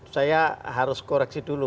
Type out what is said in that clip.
saya harus koreksi dulu